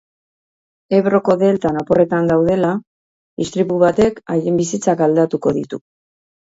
Ebroko deltan oporretan daudela, istripu batek haien bizitzak aldatuko ditu.